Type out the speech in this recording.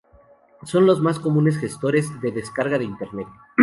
Son los más comunes gestores de descarga de Internet.